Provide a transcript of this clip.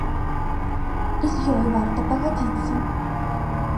І з ёй варта пагадзіцца.